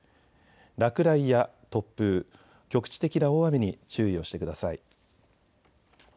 落雷や突風、局地的な大雨に注意をしてください。